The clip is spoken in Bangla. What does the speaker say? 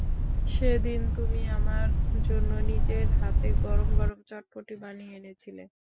সেদিন তুমি আমার জন্য নিজের হাতে গরম গরম চটপটি বানিয়ে এনেছিলে।